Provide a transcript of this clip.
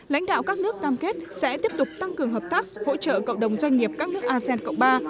lãnh đạo các nước cam kết sẽ tiếp tục tăng cường hợp tác hỗ trợ cộng đồng doanh nghiệp các nước asean cộng ba